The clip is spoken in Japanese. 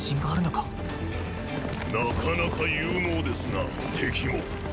なかなか勇猛ですな敵も。